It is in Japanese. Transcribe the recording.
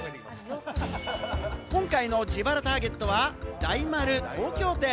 今回の自腹ターゲットは、大丸東京店。